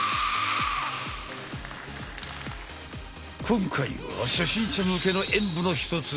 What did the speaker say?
今回は初心者向けの演武の一つ